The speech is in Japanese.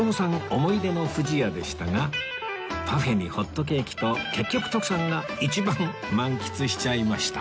思い出の不二家でしたがパフェにホットケーキと結局徳さんが一番満喫しちゃいました